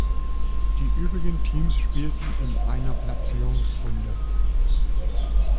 Die übrigen Teams spielten in einer Platzierungsrunde.